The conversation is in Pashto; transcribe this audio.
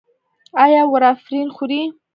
ایا وارفرین خورئ؟